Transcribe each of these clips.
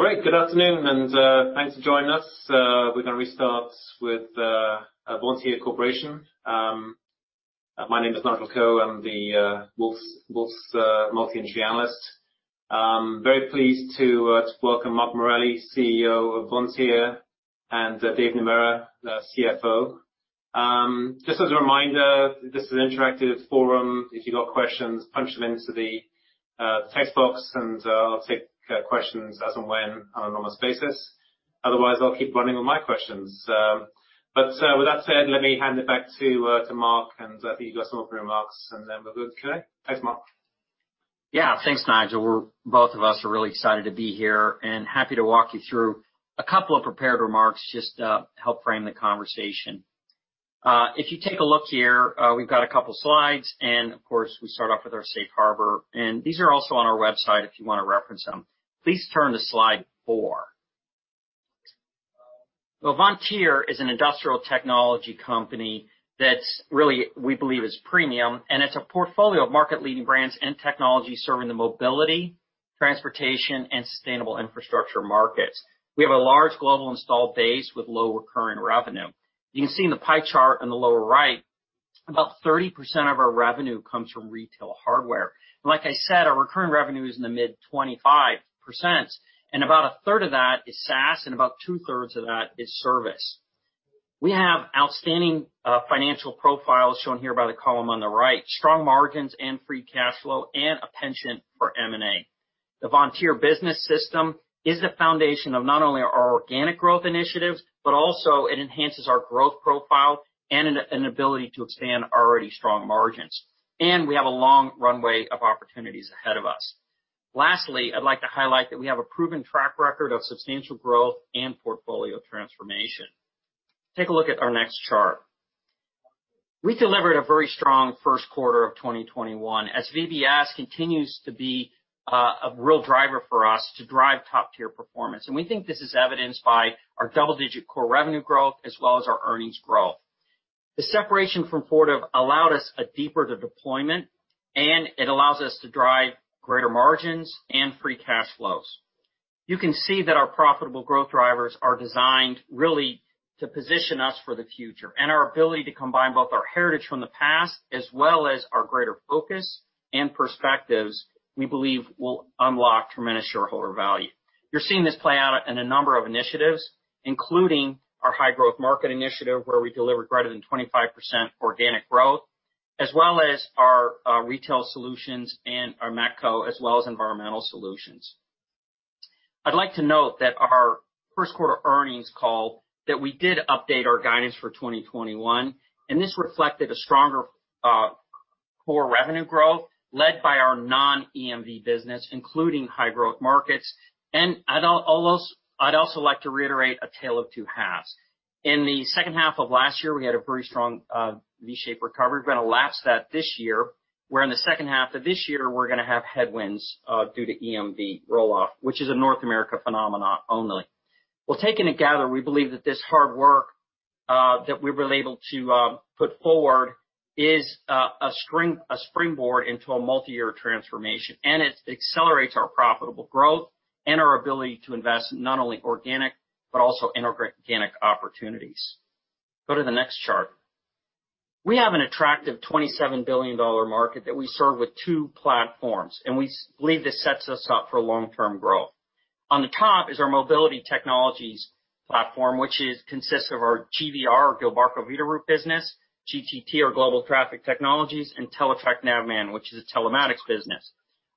Great. Good afternoon and thanks for joining us. We're going to restart with Vontier Corporation. My name is Nigel Coe. I'm the multi-industry analyst. I'm very pleased to welcome Mark Morelli, CEO of Vontier, and Dave Naemura, CFO. Just as a reminder, this is an interactive forum. If you've got questions, punch them into the text box, and I'll take questions as and when on a normal basis. Otherwise, I'll keep running with my questions. With that said, let me hand it back to Mark and let you guys go through your remarks, and then we're good. Okay? Thanks, Mark. Yeah. Thanks, Nigel. Both of us are really excited to be here and happy to walk you through a couple of prepared remarks just to help frame the conversation. If you take a look here, we've got a couple of slides, and of course, we start off with our safe harbor, and these are also on our website if you want to reference them. Please turn to slide four. Vontier is an industrial technology company that we believe is premium, and it's a portfolio of market-leading brands and technology serving the mobility, transportation, and sustainable infrastructure markets. We have a large global installed base with low recurring revenue. You can see in the pie chart in the lower right, about 30% of our revenue comes from retail hardware. Like I said, our recurring revenue is in the mid-25%, and about a third of that is SaaS, and about two-thirds of that is service. We have outstanding financial profiles shown here by the column on the right, strong margins and free cash flow, and a penchant for M&A. The Vontier Business System is the foundation of not only our organic growth initiatives, but also it enhances our growth profile and an ability to expand already strong margins. We have a long runway of opportunities ahead of us. Lastly, I'd like to highlight that we have a proven track record of substantial growth and portfolio transformation. Take a look at our next chart. We delivered a very strong first quarter of 2021 as VBS continues to be a real driver for us to drive top-tier performance. We think this is evidenced by our double-digit core revenue growth as well as our earnings growth. The separation from Fortive have allowed us a deeper deployment, and it allows us to drive greater margins and free cash flows. You can see that our profitable growth drivers are designed really to position us for the future. Our ability to combine both our heritage from the past as well as our greater focus and perspectives, we believe will unlock tremendous shareholder value. You're seeing this play out in a number of initiatives, including our high-growth market initiative where we delivered greater than 25% organic growth, as well as our retail solutions and our Matco, as well as environmental solutions. I'd like to note that our first quarter earnings call, that we did update our guidance for 2021, this reflected a stronger core revenue growth led by our non-EMV business, including high-growth markets. I'd also like to reiterate a tale of two halves. In the second half of last year, we had a very strong V-shaped recovery, but elapsed that this year, where in the second half of this year, we're going to have headwinds due to EMV roll-off, which is a North America phenomenon only. Well, taken together, we believe that this hard work that we've been able to put forward is a springboard into a multi-year transformation, it accelerates our profitable growth and our ability to invest in not only organic but also inorganic opportunities. Go to the next chart. We have an attractive $27 billion market that we serve with two platforms. We believe this sets us up for long-term growth. On the top is our mobility technologies platform, which consists of our GVR, Gilbarco Veeder-Root business, GTT, our Global Traffic Technologies, and Teletrac Navman, which is a telematics business.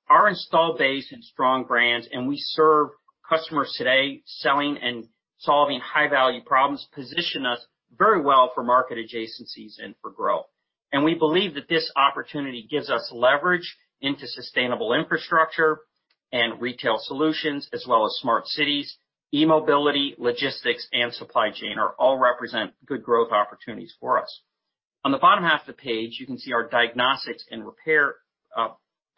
Our install base and strong brands. We serve customers today selling and solving high-value problems position us very well for market adjacencies and for growth. We believe that this opportunity gives us leverage into sustainable infrastructure and retail solutions as well as smart cities, e-mobility, logistics, and supply chain, all represent good growth opportunities for us. On the bottom half of the page, you can see our diagnostics and repair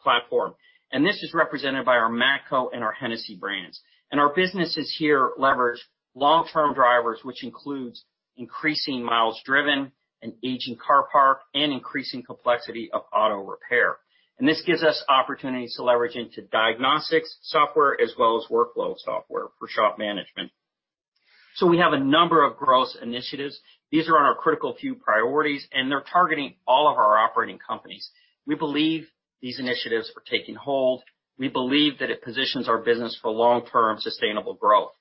platform. This is represented by our Matco and our Hennessy brands. Our businesses here leverage long-term drivers, which includes increasing miles driven, an aging car parc, and increasing complexity of auto repair. This gives us opportunities to leverage into diagnostics software as well as workflow software for shop management. We have a number of growth initiatives. These are on our critical few priorities, and they're targeting all of our operating companies. We believe these initiatives are taking hold. We believe that it positions our business for long-term sustainable growth.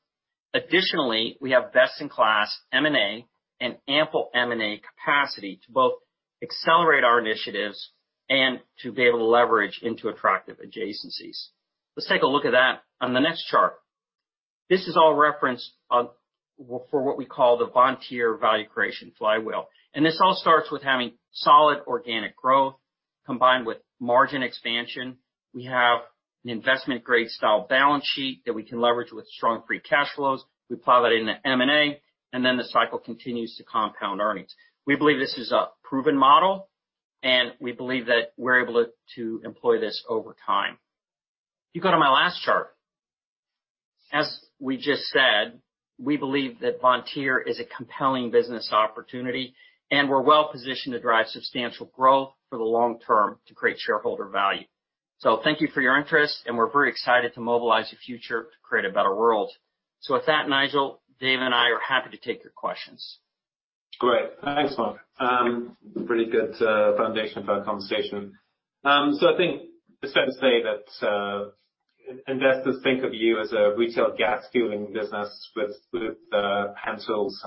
Additionally, we have best-in-class M&A and ample M&A capacity to both accelerate our initiatives and to be able to leverage into attractive adjacencies. Let's take a look at that on the next chart. This is all referenced for what we call the Vontier value creation flywheel, and this all starts with having solid organic growth combined with margin expansion. We have the investment-grade style balance sheet that we can leverage with strong free cash flows. We plow that into M&A, and then the cycle continues to compound earnings. We believe this is a proven model, and we believe that we're able to employ this over time. You go to my last chart. As we just said, we believe that Vontier is a compelling business opportunity, and we're well-positioned to drive substantial growth for the long term to create shareholder value. Thank you for your interest, and we're very excited to mobilize the future to create a better world. With that, Nigel, Dave, and I are happy to take your questions. Great. Thanks, Mark. Pretty good foundation for our conversation. I think it's fair to say that investors think of you as a retail gas fueling business with pencils.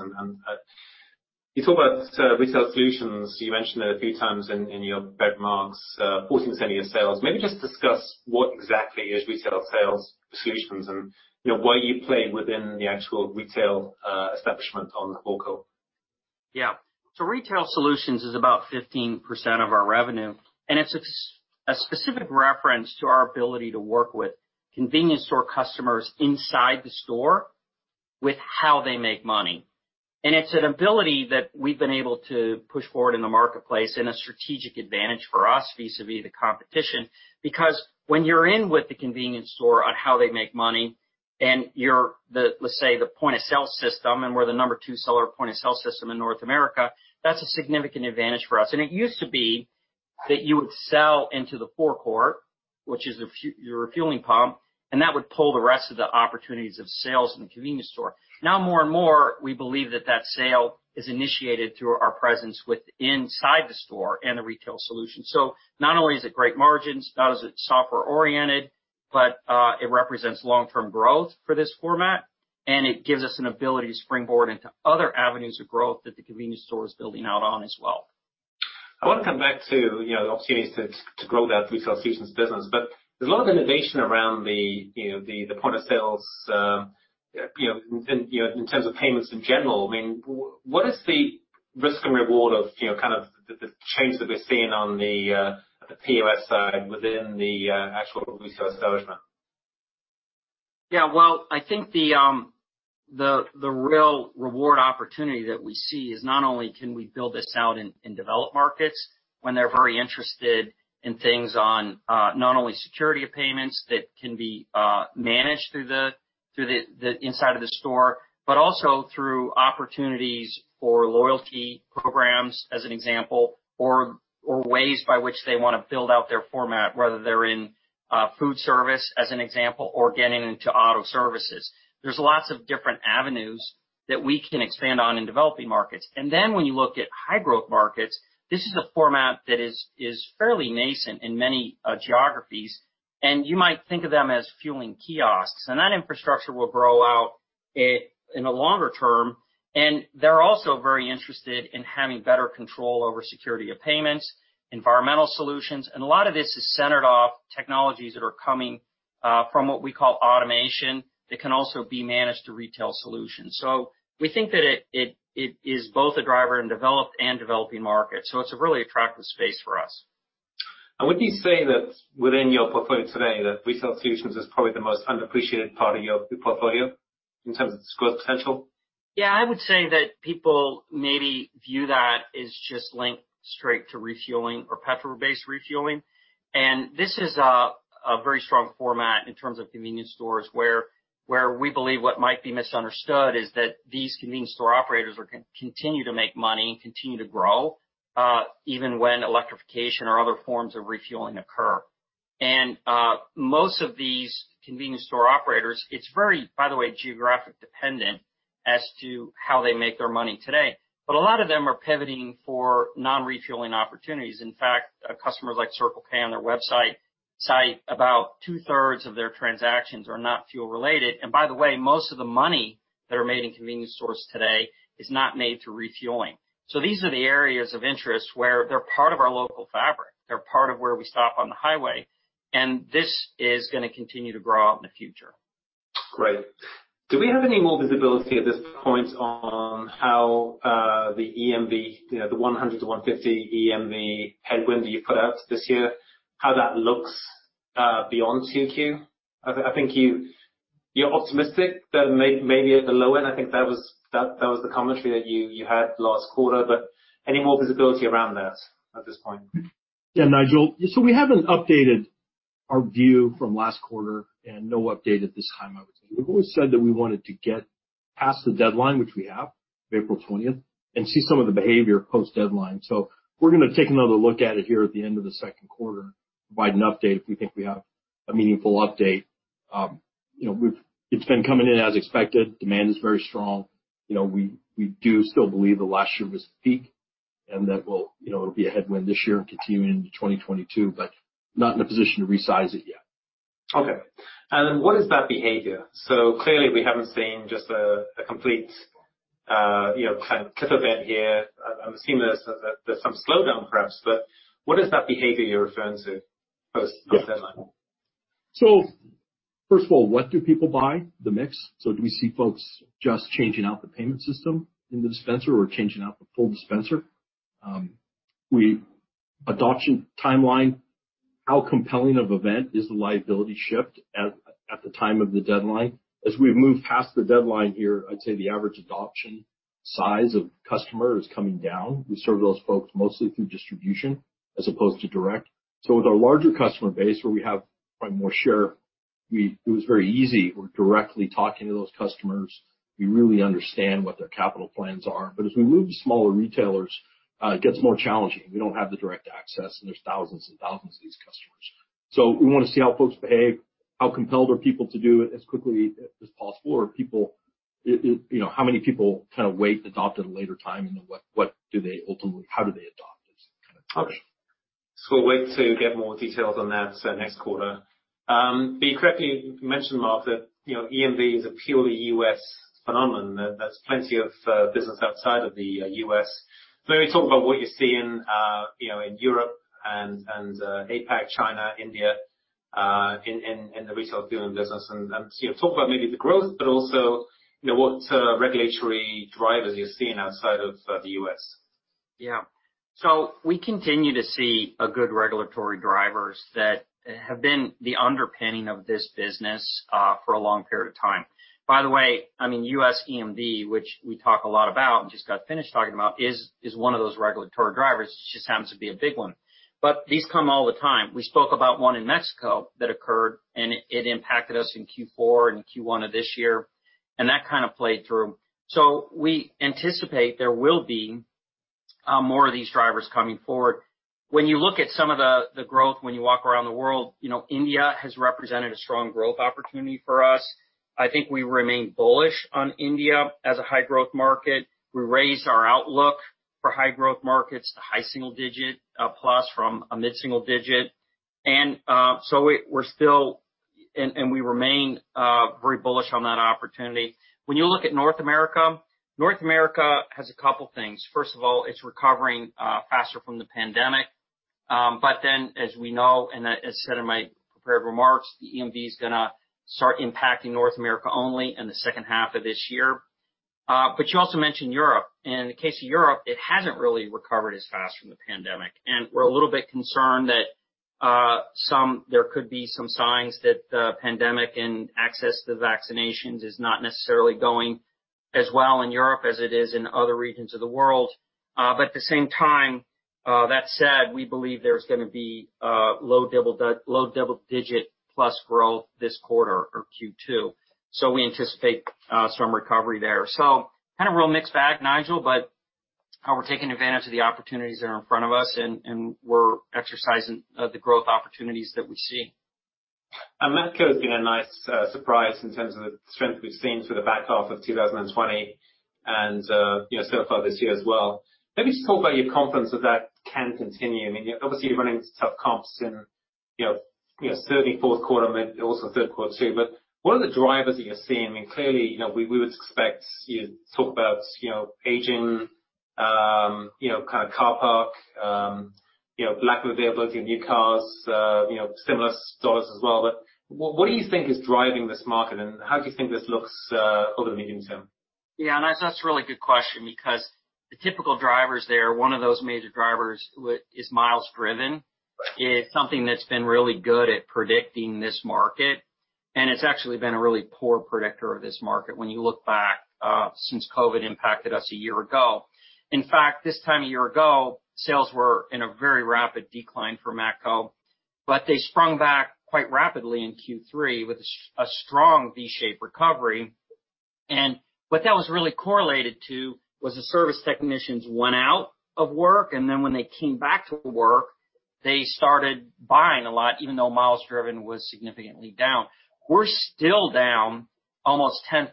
You talk about retail solutions, you mentioned it a few times in your remarks, 14% of your sales. Maybe just discuss what exactly is retail sales solutions and where you play within the actual retail establishment on the forecourt. Yeah. Retail solutions is about 15% of our revenue, and it's a specific reference to our ability to work with convenience store customers inside the store with how they make money. It's an ability that we've been able to push forward in the marketplace and a strategic advantage for us vis-a-vis the competition. When you're in with the convenience store on how they make money and you're let's say the point-of-sale system, and we're the number two seller point-of-sale system in North America, that's a significant advantage for us. It used to be that you would sell into the forecourt, which is your refueling pump, and that would pull the rest of the opportunities of sales in the convenience store. Now, more and more, we believe that that sale is initiated through our presence within inside the store and a retail solution. Not only is it great margins, not only is it software-oriented, but it represents long-term growth for this format, and it gives us an ability to springboard into other avenues of growth that the convenience store is building out on as well. I want to come back to the opportunities to grow that retail solutions business. There's a lot of innovation around the point of sale, in terms of payments in general. What is the risk and reward of the change that we're seeing on the POS side within the actual retail establishment? Yeah. Well, I think the real reward opportunity that we see is not only can we build this out in developed markets when they're very interested in things on not only security of payments that can be managed through the inside of the store. Also through opportunities for loyalty programs, as an example, or ways by which they want to build out their format, whether they're in food service, as an example, or getting into auto services. There's lots of different avenues that we can expand on in developing markets. Then when you look at high-growth markets, this is a format that is fairly nascent in many geographies, and you might think of them as fueling kiosks. That infrastructure will grow out in the longer term, and they're also very interested in having better control over security of payments, environmental solutions. A lot of this is centered off technologies that are coming from what we call automation that can also be managed through retail solutions. We think that it is both a driver in developed and developing markets, so it's a really attractive space for us. Would you say that within your portfolio today, that retail solutions is probably the most unappreciated part of your portfolio in terms of its growth potential? Yeah. I would say that people maybe view that as just linked straight to refueling or petrol-based refueling. This is a very strong format in terms of convenience stores, where we believe what might be misunderstood is that these convenience store operators are going to continue to make money and continue to grow, even when electrification or other forms of refueling occur. Most of these convenience store operators, it's very, by the way, geographic dependent as to how they make their money today. A lot of them are pivoting for non-refueling opportunities. In fact, customers like Circle K on their website cite about two-thirds of their transactions are not fuel-related. By the way, most of the money that are made in convenience stores today is not made through refueling. These are the areas of interest where they're part of our local fabric. They're part of where we stop on the highway, and this is going to continue to grow out in the future. Great. Do we have any more visibility at this point on how the EMV, the $100-$150 EMV headwind that you put out this year, how that looks beyond Q2? I think you're optimistic that maybe at the low end, I think that was the commentary that you had last quarter. Any more visibility around that at this point? Yeah, Nigel. We haven't updated our view from last quarter and no update at this time, I would say. We've always said that we wanted to get past the deadline, which we have, April 20th, and see some of the behavior post-deadline. We're going to take another look at it here at the end of the second quarter, provide an update if we think we have a meaningful update. It's been coming in as expected. Demand is very strong. We do still believe that last year was the peak and that it'll be a headwind this year and continue into 2022, but not in a position to resize it yet. Okay. What is that behavior? Clearly we haven't seen just a complete cliff event here. I'm seeing there's some slowdown perhaps, but what is that behavior you're referring to post the deadline? First of all, what do people buy? The mix. Do we see folks just changing out the payment system in the dispenser or changing out the full dispenser? Adoption timeline. How compelling of event is the liability shift at the time of the deadline? As we move past the deadline here, I'd say the average adoption size of customer is coming down. We serve those folks mostly through distribution as opposed to direct. With our larger customer base where we have Buy more share. It was very easy. We're directly talking to those customers. We really understand what their capital plans are. As we move to smaller retailers, it gets more challenging. We don't have the direct access, and there's thousands and thousands of these customers. We want to see how folks behave, how compelled are people to do it as quickly as possible, or how many people wait to adopt at a later time, and then how do they adopt this kind of approach? We'll wait to get more details on that next quarter. You correctly mentioned, Mark, EMV is a purely U.S. phenomenon. There's plenty of business outside of the U.S. Maybe talk about what you're seeing in Europe and APAC, China, India, in the retail fueling business, and talk about maybe the growth, but also what regulatory drivers you're seeing outside of the U.S. Yeah. We continue to see good regulatory drivers that have been the underpinning of this business for a long period of time. By the way, U.S. EMV, which we talk a lot about and just got finished talking about, is one of those regulatory drivers. It just happens to be a big one. These come all the time. We spoke about one in Mexico that occurred, and it impacted us in Q4 and Q1 of this year, and that played through. We anticipate there will be more of these drivers coming forward. When you look at some of the growth when you walk around the world, India has represented a strong growth opportunity for us. I think we remain bullish on India as a high-growth market. We raised our outlook for high-growth markets to high single-digit plus from a mid single-digit. We remain very bullish on that opportunity. When you look at North America, North America has a couple things. First of all, it's recovering faster from the pandemic. As we know, and I said in my prepared remarks, the EMV's going to start impacting North America only in the second half of this year. You also mentioned Europe. In the case of Europe, it hasn't really recovered as fast from the pandemic. We're a little bit concerned that there could be some signs that the pandemic and access to vaccinations is not necessarily going as well in Europe as it is in other regions of the world. That said, we believe there's going to be low double-digit plus growth this quarter for Q2. We anticipate some recovery there. Kind of a real mixed bag, Nigel, but we're taking advantage of the opportunities that are in front of us, and we're exercising the growth opportunities that we see. Matco's been a nice surprise in terms of the strength we've seen for the back half of 2020 and so far this year as well. Maybe just talk about your confidence that can continue. I mean, obviously you're running into tough comps in certainly fourth quarter, but also third quarter too. What are the drivers that you're seeing? I mean, clearly, we would expect you to talk about aging car park, lack of availability of new cars, similar stores as well. What do you think is driving this market, and how do you think this looks over the medium term? Yeah, that's a really good question because the typical drivers there, one of those major drivers is miles driven. It's something that's been really good at predicting this market, and it's actually been a really poor predictor of this market when you look back since COVID impacted us a year ago. In fact, this time a year ago, sales were in a very rapid decline for Matco, but they sprung back quite rapidly in Q3 with a strong V-shaped recovery. What that was really correlated to was the service technicians went out of work, and then when they came back to work, they started buying a lot, even though miles driven was significantly down. We're still down almost 10%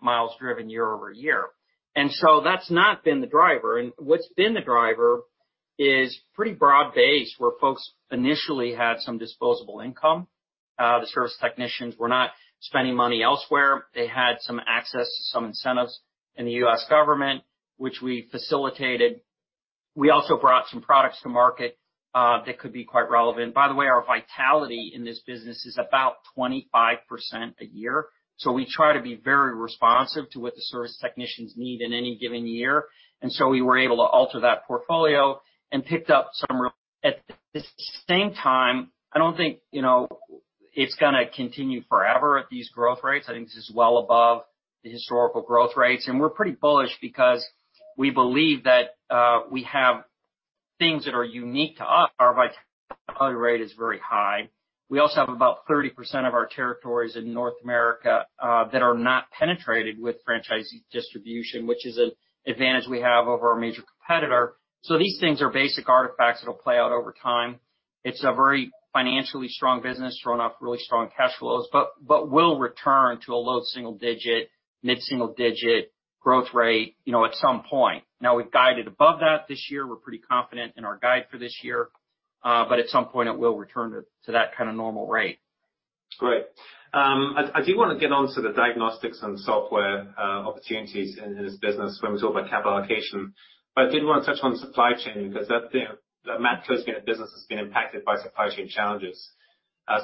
miles driven year-over-year. That's not been the driver. What's been the driver is pretty broad-based, where folks initially had some disposable income. The service technicians were not spending money elsewhere. They had some access to some incentives in the U.S. government, which we facilitated. We also brought some products to market that could be quite relevant. By the way, our vitality in this business is about 25% a year. We try to be very responsive to what the service technicians need in any given year. We were able to alter that portfolio and picked up some. At the same time, I don't think it's going to continue forever at these growth rates. I think this is well above the historical growth rates. We're pretty bullish because we believe that we have things that are unique to us. Our vitality rate is very high. We also have about 30% of our territories in North America that are not penetrated with franchise distribution, which is an advantage we have over our major competitor. These things are basic artifacts that'll play out over time. It's a very financially strong business throwing off really strong cash flows, but will return to a low single-digit, mid single-digit growth rate at some point. We've guided above that this year. We're pretty confident in our guide for this year. At some point it will return to that kind of normal rate. Great. I do want to get on to the diagnostics and software opportunities in this business when we talk about capital allocation. I did want to touch on supply chain, because the Matco business has been impacted by supply chain challenges.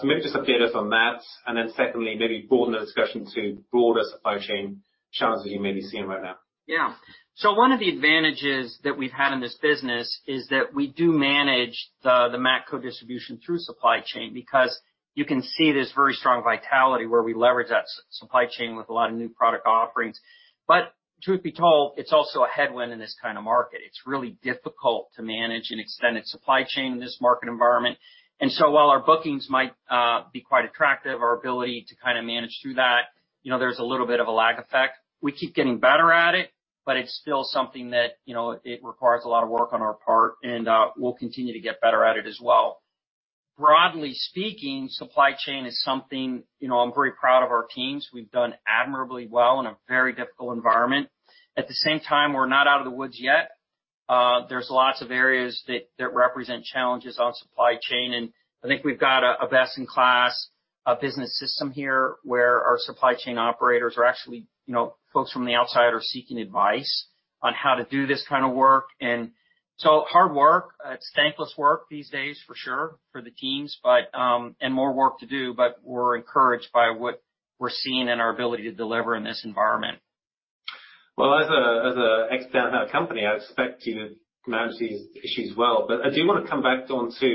Maybe just update us on that. Then secondly, maybe broaden the discussion to broader supply chain challenges you may be seeing right now. Yeah. One of the advantages that we've had in this business is that we do manage the Matco distribution through supply chain, because you can see this very strong vitality where we leverage that supply chain with a lot of new product offerings. Truth be told, it's also a headwind in this kind of market. It's really difficult to manage an extended supply chain in this market environment. While our bookings might be quite attractive, our ability to manage through that, there's a little bit of a lag effect. We keep getting better at it, but it's still something that requires a lot of work on our part, and we'll continue to get better at it as well. Broadly speaking, supply chain is something I'm very proud of our teams. We've done admirably well in a very difficult environment. At the same time, we're not out of the woods yet. There's lots of areas that represent challenges on supply chain, and I think we've got a best-in-class business system here where our supply chain operators are actually, folks from the outside are seeking advice on how to do this kind of work. Hard work, thankless work these days for sure for the teams, and more work to do, but we're encouraged by what we're seeing in our ability to deliver in this environment. Well, as an ex-Danaher company, I expect you to manage these issues well. I do want to come back onto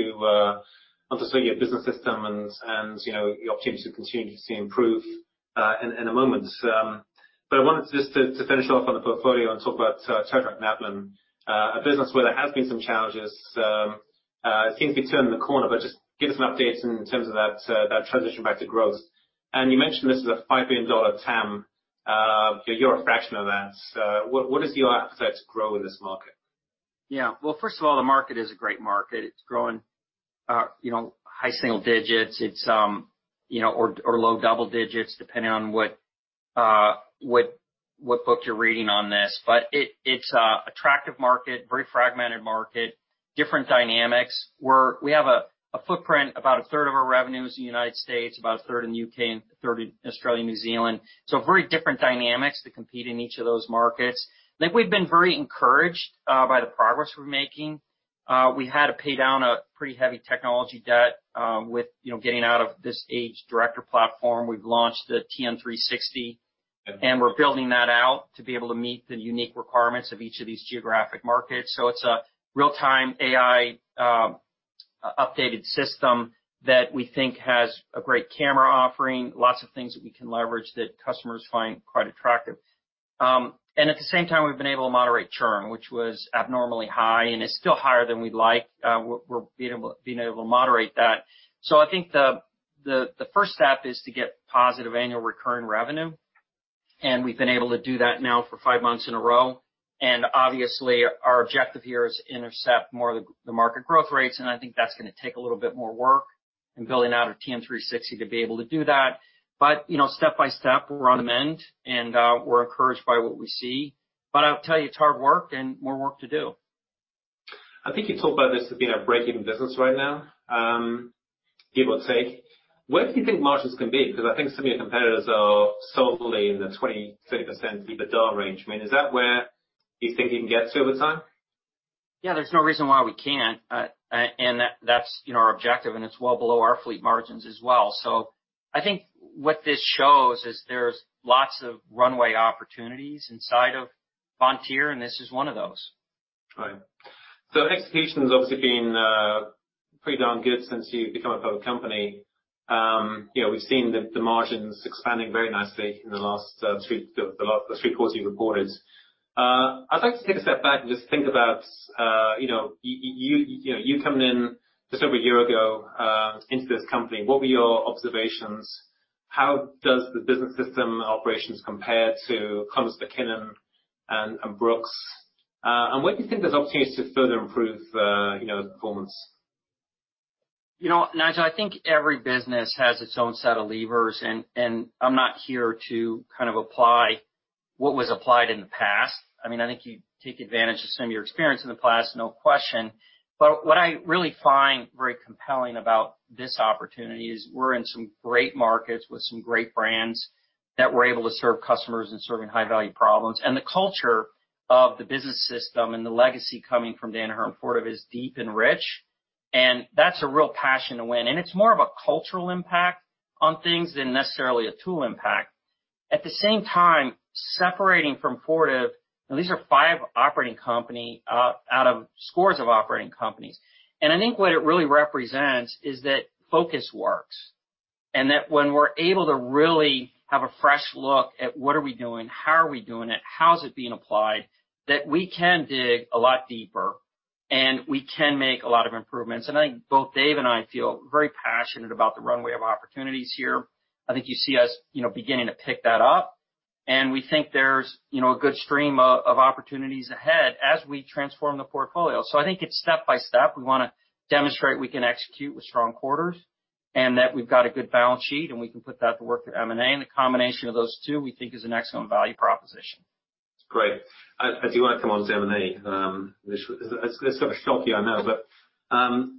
your business systems and the opportunities to continue to see improve in a moment. I wanted just to finish off on the portfolio and talk about Teletrac Navman, a business where there has been some challenges. Things seem to be turning the corner, but just give us an update in terms of that transition back to growth. You mentioned this is a $5 billion TAM. You're a fraction of that, what is your appetite to grow in this market? Well, first of all, the market is a great market. It's growing high single-digits. Low double-digits, depending on what book you're reading on this. It's attractive market, very fragmented market, different dynamics, where we have a footprint, about a third of our revenue is in the U.S., about a third in the U.K., and a third in Australia and New Zealand. Very different dynamics to compete in each of those markets. I think we've been very encouraged by the progress we're making. We had to pay down a pretty heavy technology debt with getting out of this DIRECTOR platform. We've launched the TN360. Okay. We're building that out to be able to meet the unique requirements of each of these geographic markets. It's a real-time AI updated system that we think has a great camera offering, lots of things that we can leverage that customers find quite attractive. At the same time, we've been able to moderate churn, which was abnormally high, and it's still higher than we'd like. We're being able to moderate that. I think the first step is to get positive annual recurring revenue, and we've been able to do that now for five months in a row. Obviously, our objective here is to intercept more of the market growth rates, and I think that's going to take a little bit more work and building out of TN360 to be able to do that. Step by step, we're on the mend, and we're encouraged by what we see. I'll tell you, it's hard work and more work to do. I think you talk about this as being a breaking business right now. Where do you think margins can be? I think some of your competitors are solely in the 20%, 30% EBITDA range. Is that where you think you can get to over time? Yeah, there's no reason why we can't. That's our objective, and it's well below our fleet margins as well. I think what this shows is there's lots of runway opportunities inside of Vontier, and this is one of those. Right. Execution's obviously been pretty darn good since you've become a public company. We've seen the margins expanding very nicely in the last three quarters you've reported. I'd like to take a step back and just think about you coming in just over a year ago into this company. What were your observations? How does the business system operations compare to Columbus McKinnon and Brooks? Where do you think there's opportunities to further improve the performance? Nigel, I think every business has its own set of levers, and I'm not here to apply what was applied in the past. I think you take advantage of some of your experience in the past, no question. What I really find very compelling about this opportunity is we're in some great markets with some great brands that we're able to serve customers and serving high-value problems. The culture of the business system and the legacy coming from Danaher and Fortive is deep and rich, and that's a real passion to win. It's more of a cultural impact on things than necessarily a tool impact. At the same time, separating from Fortive, and these are five operating company out of scores of operating companies. I think what it really represents is that focus works, and that when we're able to really have a fresh look at what are we doing, how are we doing it, how is it being applied, that we can dig a lot deeper, and we can make a lot of improvements. I think both Dave and I feel very passionate about the runway of opportunities here. I think you see us beginning to pick that up, and we think there's a good stream of opportunities ahead as we transform the portfolio. I think it's step by step. We want to demonstrate we can execute with strong quarters and that we've got a good balance sheet, and we can put that to work for M&A, and the combination of those two, we think, is an excellent value proposition. Great. As you work towards M&A, which is going to shock you, I know.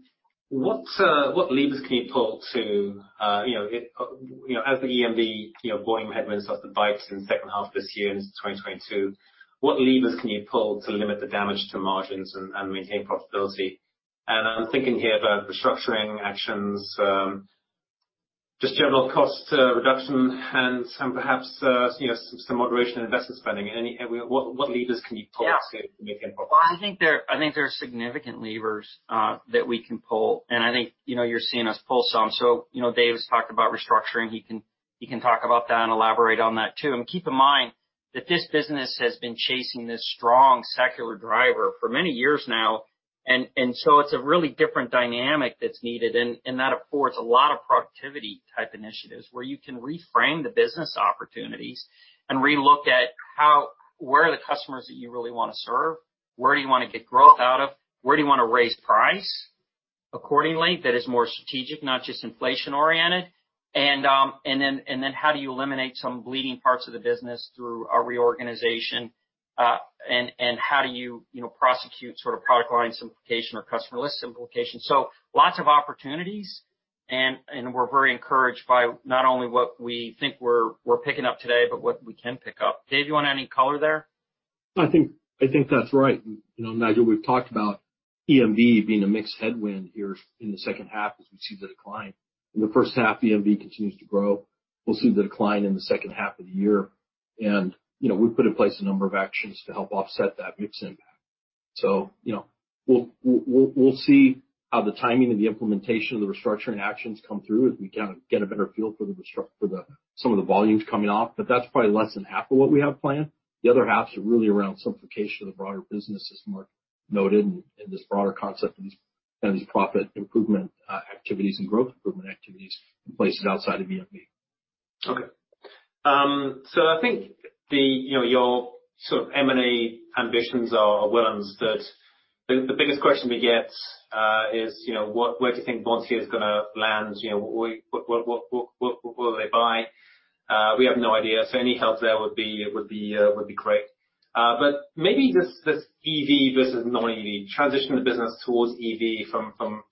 What levers can you pull to, at the EMV, volume headwinds like the spikes in the second half of this year into 2022? What levers can you pull to limit the damage to margins and maintain profitability? I'm thinking here about restructuring actions, just general cost reduction and perhaps some moderation in investment spending. What levers can you pull to maintain profitability? I think there are significant levers that we can pull, and I think you're seeing us pull some. Dave has talked about restructuring. He can talk about that and elaborate on that, too. Keep in mind that this business has been chasing this strong secular driver for many years now. It's a really different dynamic that's needed, and that affords a lot of productivity type initiatives where you can reframe the business opportunities and relook at where are the customers that you really want to serve, where do you want to get growth out of, where do you want to raise price accordingly that is more strategic, not just inflation oriented. How do you eliminate some bleeding parts of the business through a reorganization, and how do you prosecute product line simplification or customer list simplification. Lots of opportunities, and we're very encouraged by not only what we think we're picking up today, but what we can pick up. Dave, you want to add any color there? I think that's right. Nigel, we've talked about EMV being a mixed headwind here in the second half as we see the decline. In the first half, EMV continues to grow. We'll see the decline in the second half of the year. We've put in place a number of actions to help offset that mixed impact. We'll see how the timing of the implementation of the restructuring actions come through as we get a better feel for some of the volumes coming off. That's probably less than half of what we have planned. The other half is really around simplification of the broader business, as Mark noted, and this broader concept and these profit improvement activities and growth improvement activities in places outside of EMV. Okay. I think your M&A ambitions are well known, but the biggest question we get is where do you think Vontier is going to land? What will they buy? We have no idea. Any help there would be great. Maybe this EV versus non-EV, transition of business towards EV from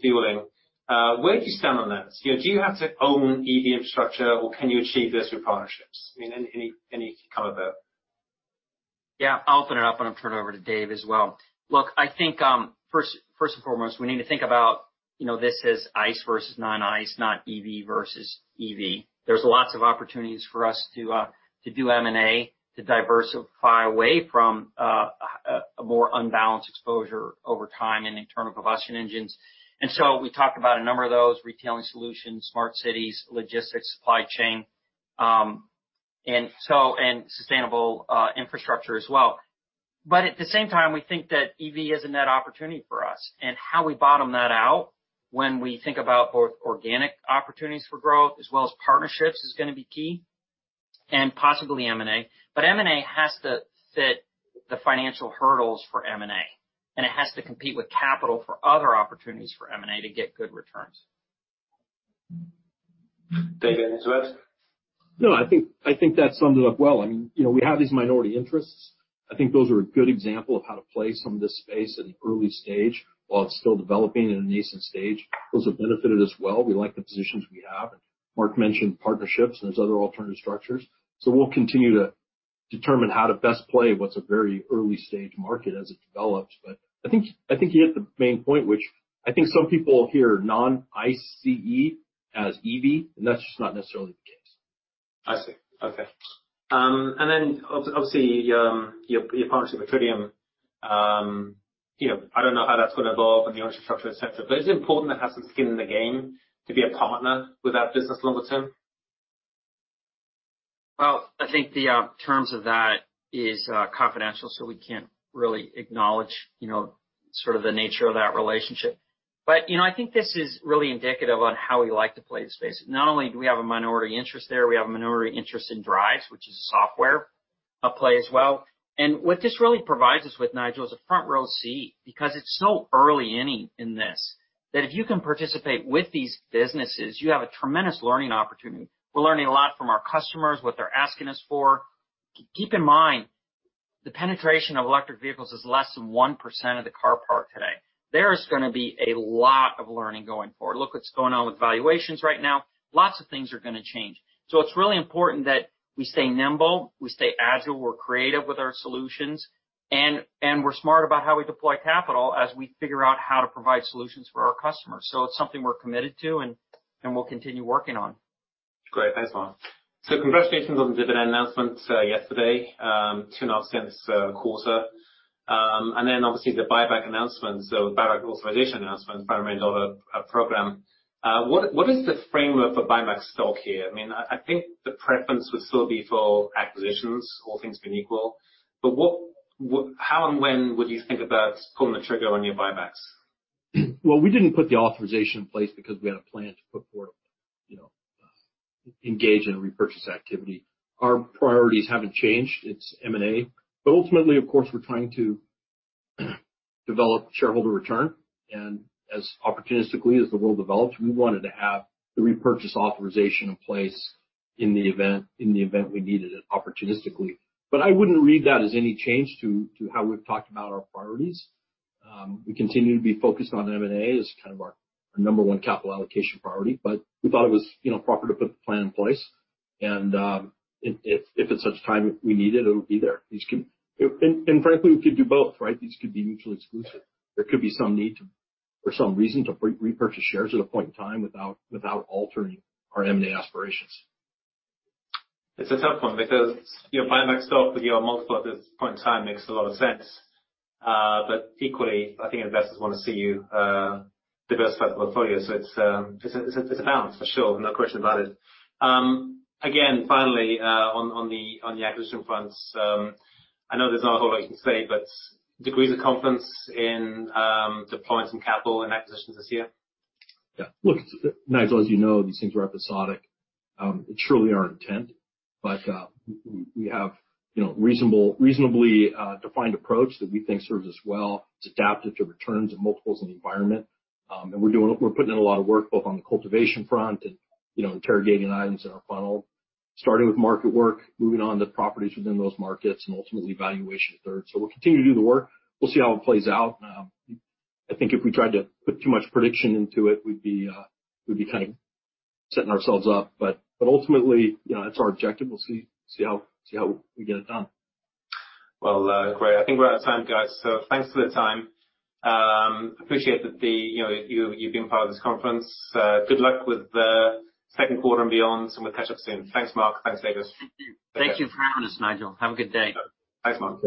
fueling, where do you stand on this? Do you have to own EV infrastructure or can you achieve this through partnerships? Any color there. Yeah, I'll throw it out, but I'm going to turn it over to Dave as well. Look, I think first and foremost, we need to think about this as ICE versus non-ICE, not EV versus EV. There's lots of opportunities for us to do M&A to diversify away from a more unbalanced exposure over time in internal combustion engines. We talked about a number of those, retailing solutions, smart cities, logistics, supply chain, and sustainable infrastructure as well. At the same time, we think that EV is a net opportunity for us. How we bottom that out when we think about both organic opportunities for growth as well as partnerships is going to be key, and possibly M&A. M&A has to fit the financial hurdles for M&A, and it has to compete with capital for other opportunities for M&A to get good returns. Dave, any thoughts No, I think that summed it up well. I mean, we have these minority interests. I think those are a good example of how to play some of this space at an early stage while it's still developing in a nascent stage. Those have benefited as well. We like the positions we have. Mark mentioned partnerships and there's other alternative structures. We'll continue to determine how to best play what's a very early stage market as it develops. I think you hit the main point, which I think some people hear non-ICE as EV, and that's just not necessarily the case. I see. Okay. Obviously, your partnership with Tritium, I don't know how that's going to evolve and the infrastructure et cetera. Is it important to have some skin in the game to be a partner with that business longer term? I think the terms of that is confidential, so we can't really acknowledge the nature of that relationship. I think this is really indicative on how we like to play the space. Not only do we have a minority interest there, we have a minority interest in Driivz, which is a software play as well. What this really provides us with, Nigel, is a front row seat, because it's so early in this, that if you can participate with these businesses, you have a tremendous learning opportunity. We're learning a lot from our customers, what they're asking us for. Keep in mind, the penetration of electric vehicles is less than 1% of the car park today. There is going to be a lot of learning going forward. Look what's going on with valuations right now. Lots of things are going to change. It's really important that we stay nimble, we stay agile, we're creative with our solutions, and we're smart about how we deploy capital as we figure out how to provide solutions for our customers. It's something we're committed to and we'll continue working on. Great. Thanks, Mark. Congratulations on the dividend announcement yesterday, $0.025 This quarter. Obviously the buyback announcement, buyback authorization announcement, $500 million program. What is the framework for buying back stock here? I think the preference would still be for acquisitions, all things being equal. How and when would you think about pulling the trigger on your buybacks? Well, we didn't put the authorization in place because we had a plan to put forward, engage in repurchase activity. Our priorities haven't changed. It's M&A. Ultimately, of course, we're trying to develop shareholder return. As opportunistically as the world developed, we wanted to have the repurchase authorization in place in the event we needed it opportunistically. I wouldn't read that as any change to how we've talked about our priorities. We continue to be focused on M&A as our number one capital allocation priority, but we thought it was proper to put the plan in place. If at such time we need it would be there. Frankly, we could do both, right? These could be mutually exclusive. There could be some need to, for some reason, to repurchase shares at a point in time without altering our M&A aspirations. It's a tough one because buying back stock with your multiple at this point in time makes a lot of sense. Equally, I think investors want to see you diversify the portfolio. It's a balance for sure. No question about it. Again, finally, on the acquisition front, I know there's not a lot you can say, but degrees of confidence in deploying some capital and acquisitions this year? Yeah. Look, Nigel, as you know, these things are episodic. It's truly our intent, we have reasonably defined approach that we think serves us well. It's adapted to returns and multiples in the environment. We're putting a lot of work both on the cultivation front and interrogating items in our funnel, starting with market work, moving on to properties within those markets, and ultimately valuation third. We'll continue to do the work. We'll see how it plays out. I think if we tried to put too much prediction into it, we'd be setting ourselves up. Ultimately, it's our objective. We'll see how we get it done. Well, great. I think we're out of time, guys. Thanks for the time. Appreciate that you've been part of this conference. Good luck with the second quarter and beyond, and we'll catch up soon. Thanks, Mark. Thanks, Dave. Thank you. Thank you for having us, Nigel. Have a good day. Thanks, Mark